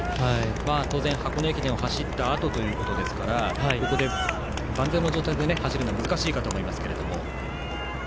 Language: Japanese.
当然箱根駅伝を走ったあとなので万全の状態で走るのは難しいかと思いますけど。